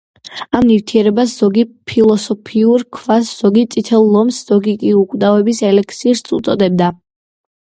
ამ ნივთიერებას ზოგი „ფილოსოფიურ ქვას“, ზოგი „წითელ ლომს“, ზოგი კი „უკვდავების ელექსირს“ უწოდებდა.